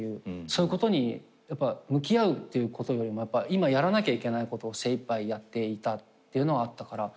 そういうことに向き合うっていうことよりも今やらなきゃいけないことを精いっぱいやっていたっていうのはあったから。